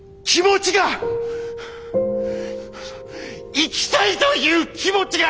行きたいという気持ちが！